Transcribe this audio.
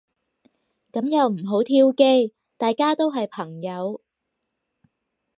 噉又唔好挑機。大家都係朋友